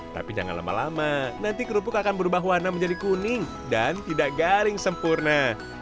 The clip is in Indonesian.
tapi jangan lama lama nanti kerupuk akan berubah warna menjadi kuning dan tidak garing sempurna